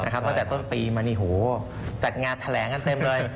ตั้งแต่ต้นปีมาจัดงานแถลงกันเต็มเลย